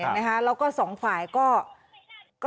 แล้วก็๒ฝ่ายก็